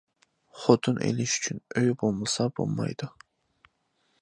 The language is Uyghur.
خوتۇن ئېلىش ئۈچۈن ئۆي بولمىسا بولمايدۇ.